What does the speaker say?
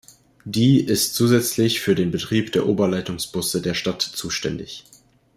Die ist zusätzlich für den Betrieb der Oberleitungsbusse der Stadt zuständig.